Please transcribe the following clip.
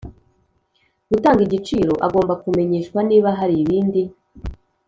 Gutanga igiciro agomba kumenyeshwa niba hari ibindi